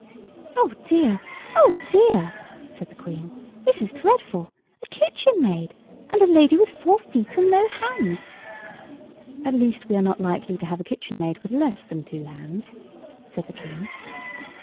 "Oh dear! oh dear!" said the Queen; "this is dreadful! A kitchen maid!—and a lady with four feet and no hands!" "At least we are not likely to have a kitchen maid with less than two hands," said the King.